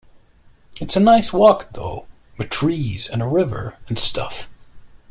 It's a nice walk though, with trees and a river and stuff.